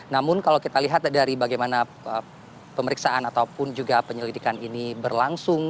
namun kalau kita lihat dari bagaimana pemeriksaan ataupun juga penyelidikan ini berlangsung